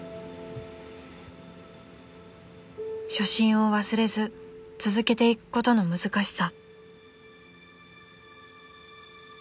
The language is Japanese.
［初心を忘れず続けていくことの難しさ］